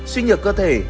xuyên nhược cơ thể